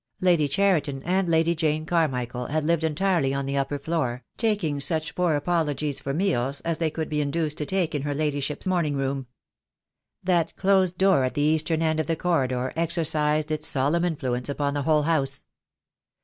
Lady Cheriton and Lady Jane Carmichael had lived entirely on the upper floor, taking such poor apologies for meals as they could be induced to take in her ladyship's morning room. That closed door at the eastern end of the corridor exercised its solemn influence upon the whole house.